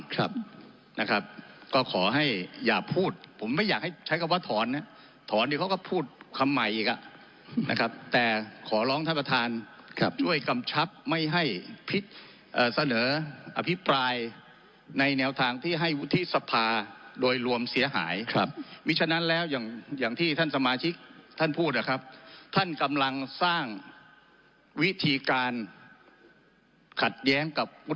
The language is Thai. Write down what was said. ครับนะครับก็ขอให้อย่าพูดผมไม่อยากให้ใช้คำว่าถอนนะถอนเดี๋ยวเขาก็พูดคำใหม่อีกอ่ะนะครับแต่ขอร้องท่านประธานครับช่วยกำชับไม่ให้เสนออภิปรายในแนวทางที่ให้วุฒิสภาโดยรวมเสียหายครับมีฉะนั้นแล้วอย่างอย่างที่ท่านสมาชิกท่านพูดนะครับท่านกำลังสร้างวิธีการขัดแย้งกับว